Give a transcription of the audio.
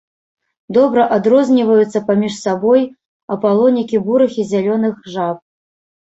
Добра адрозніваюцца паміж сабой апалонікі бурых і зялёных жаб.